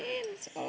amin sekolah dunia